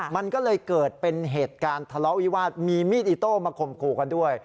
มันก็เลยเกิดเป็นเหตุการณ์ทะเลาะวิวาสมีมีดอิโต้มาข่มขู่กันด้วย